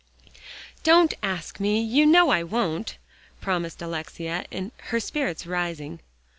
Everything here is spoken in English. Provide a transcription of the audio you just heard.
"Don't ask me. You know I won't," promised Alexia, her spirits rising.